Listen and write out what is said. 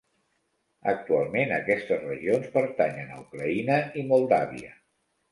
Actualment, aquestes regions pertanyen a Ucraïna i Moldàvia.